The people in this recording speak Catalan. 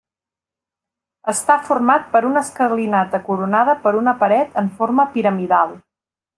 Està format per una escalinata coronada per una paret en forma piramidal.